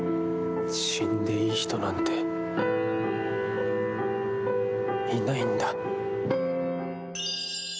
死んでいい人なんていないんだ。